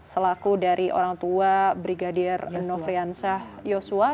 selaku dari orang tua brigadir nofriansyah joshua